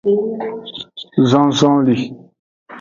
Zon zonlin.